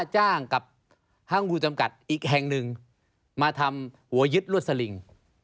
ห้างมูลจำกัดอีกแห่งหนึ่งมาทำหัวยึดรวดสลิง